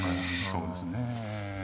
そうですね。